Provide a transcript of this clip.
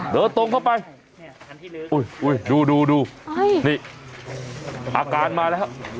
เดินตรงเข้าไปอุ้ยอุ้ยดูดูดูนี่อาการมาแล้ว